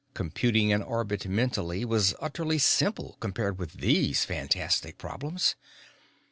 Computing an orbit mentally was utterly simple compared with these fantastic problems.